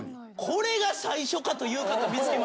「これが最初か」という方見つけましたんで。